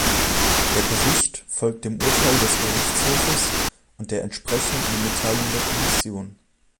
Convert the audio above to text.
Der Bericht folgt dem Urteil des Gerichtshofes und der entsprechenden Mitteilung der Kommission.